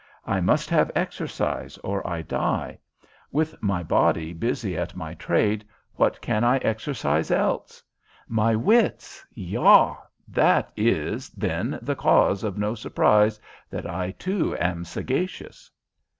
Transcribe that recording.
I must have exercise or I die; with my body busy at my trade, what can I exercise else? My wits yah! That is, then, the cause of no surprise that I, too, am sagacious."